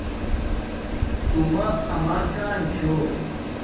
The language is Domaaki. تومہ اما کان چھے